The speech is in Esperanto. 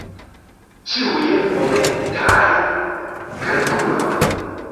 Ĉiuj momentaj kalkuloj.